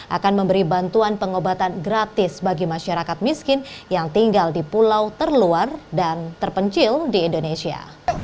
akan memberi bantuan pengobatan gratis bagi masyarakat miskin yang tinggal di pulau terluar dan terpencil di indonesia